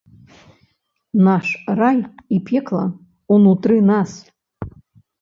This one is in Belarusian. Наш рай і пекла ўнутры нас.